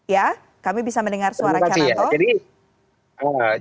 ya kami bisa mendengar suara cananto